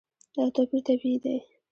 دا توپیر طبیعي دی.